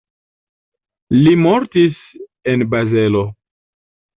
Li mortis en Bazelo.